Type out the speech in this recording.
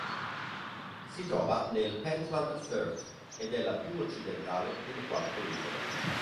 Si trova nel Pentland Firth, ed è la più occidentale delle quattro isole.